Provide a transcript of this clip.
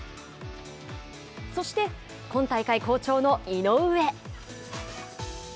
そして今大会好調の井上。